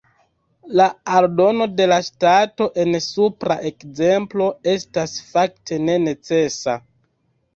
La aldono de la ŝtato en supra ekzemplo estas fakte ne necesa.